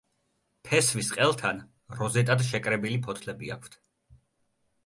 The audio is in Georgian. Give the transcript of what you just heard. ფესვის ყელთან როზეტად შეკრებილი ფოთლები აქვთ.